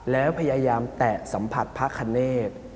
แล้วพยายามแตะสัมผัสพระคเนธ